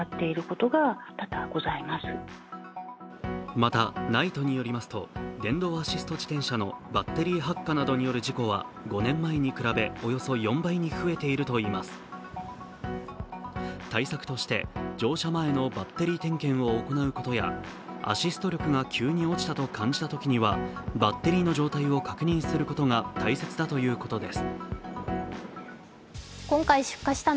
また、ＮＩＴＥによりますと、電動アシスト自転車のバッテリー発火などによる事故は５年前に比べおよそ４倍に増えているといいます対策として乗車前のバッテリー点検を行うことやアシスト力が急に落ちたと感じたときにはバッテリーの状態を確認することが大切だということです。